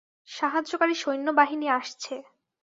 সাহায্যকারী সৈন্যবাহিনী আসছে।